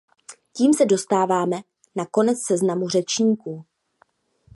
Tím se dostáváme na konec seznamu řečníků.